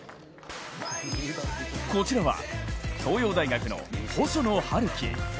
こちらは東洋大学の細野晴希。